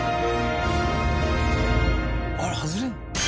あれ外れるの？